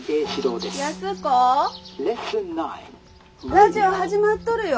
ラジオ始まっとるよ。